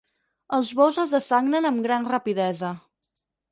Els bous es dessagnen amb gran rapidesa.